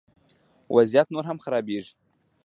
وضعیت نور هم خرابیږي